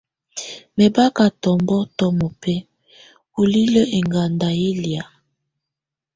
Mɛbaka tɔbɔŋtɔ̀ mɔbɛ̀á bulilǝ́ ɛŋganda yɛ̀ lɛ̀á.